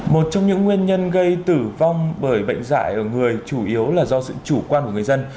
một trong những nguyên nhân gây tử vong bởi bệnh dạy ở người chủ yếu là do sự chủ quan của người dân